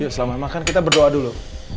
selama makan kita berdoa dulu